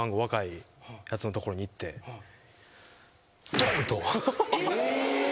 ドン！と。